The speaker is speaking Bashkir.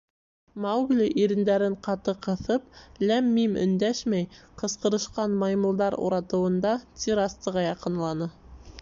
Маугли, ирендәрен ҡаты ҡыҫып, ләм-мим өндәшмәй, ҡысҡырышҡан маймылдар уратыуында террасаға яҡынланы.